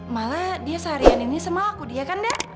malah dia seharian ini sama aku ya kan da